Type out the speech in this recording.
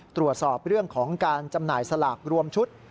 ตรวจสอบเรื่องของการจำหน่ายสลากรวมชุด